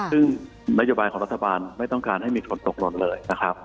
ซึ่งนโยบายของรัฐบาลไม่ต้องการให้มีฝนตกหล่นเลยนะครับ